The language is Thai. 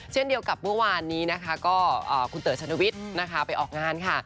เช่นเดียวกับเมื่อวานนี้นะคะก็คุณเต๋อชนวิทย์นะคะไปออกงานค่ะ